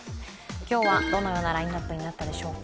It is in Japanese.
今日はどのようなラインナップになったでしょうか。